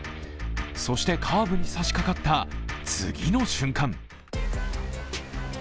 そしてカーブに差しかかった次の瞬間。